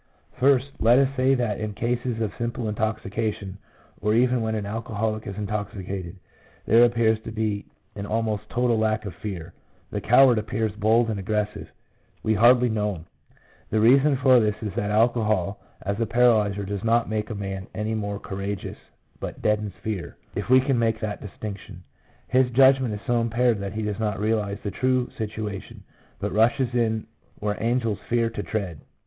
First, let us say that in cases of simple intoxication, or even when an alcoholic is intoxicated, there appears to be an almost total lack of fear ; the coward appears bold and aggressive — we hardly know him. The reason for this is that alcohol as a paralyzer does not make a man any more courageous, but deadens fear, — if we can make that distinction. His judgment is so impaired that he does not realize the true situation, but rushes in " where angels fear to tread."